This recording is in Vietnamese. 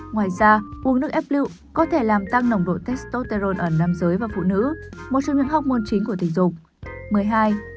ngoài ra uống nước ép lựu có thể làm tăng nồng độ testosterone ở nam giới và phụ nữ một trong những học môn chính của tinh dục